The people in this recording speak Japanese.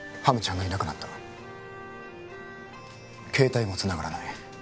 ハムちゃんがいなくなった携帯もつながらない